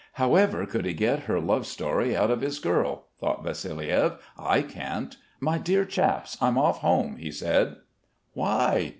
"However could he get her love story out of his girl?" thought Vassiliev. "I can't. My dear chaps, I'm off home," he said. "Why?"